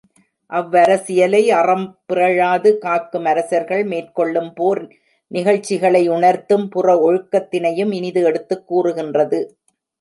அவ்வரசியலை அறம் பிறழாது காக்கும் அரசர்கள் மேற்கொள்ளும் போர் நிகழ்ச்சிகளை உணர்த்தும் புற ஒழுக்கத்தினையும் இனிது எடுத்துக் கூறுகின்றது.